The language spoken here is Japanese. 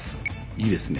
いいですね。